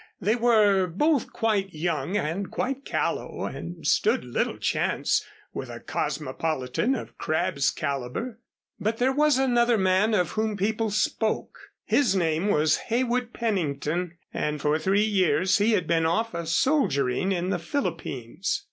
They were both quite young and quite callow and stood little chance with a cosmopolitan of Crabb's caliber. But there was another man of whom people spoke. His name was Heywood Pennington, and for three years he had been off a soldiering in the Philippines.